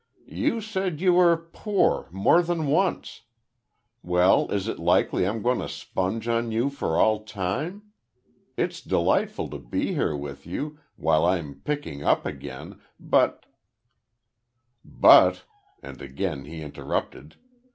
"You said you were poor more than once. Well, is it likely I'm going to sponge on you for all time? It's delightful to be here with you, while I'm picking up again, but " "`But'," and again he interrupted.